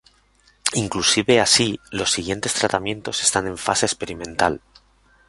Inclusive así, los siguientes tratamientos están en fase experimental.